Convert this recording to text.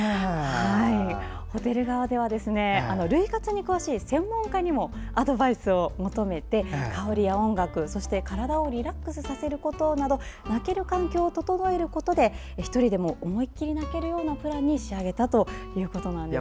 ホテル側では涙活に詳しい専門家にもアドバイスを求めて香りや音楽、そして体をリラックスさせるなど泣ける環境を整えることで１人でも思いっきり泣けるようなプランに仕上げたということです。